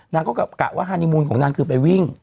นางก็กะว่าฮานีมูลของนางคือไปวิ่ง